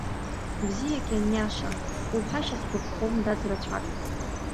Бзиак ианиаша, уҳәашьа сгәаԥхом, дад рацәак.